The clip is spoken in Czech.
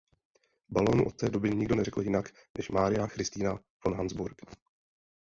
Balónu od té doby nikdo neřekl jinak než „Maria Christina von Habsburg“.